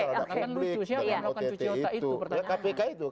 ya tidak akan cuci otak itu pertanyaannya